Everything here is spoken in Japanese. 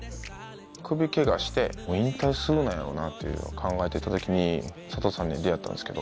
首ケガしてもう引退するのやろなっていうの考えてた時に佐藤さんに出会ったんすけど。